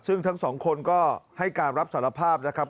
ซึ่งทั้งสองคนก็ให้การรับสารภาพนะครับ